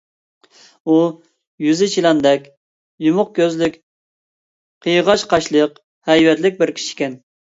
ئۇ يۈزى چىلاندەك، يۇمۇق كۆزلۈك، قىيغاچ قاشلىق، ھەيۋەتلىك بىر كىشى ئىكەن.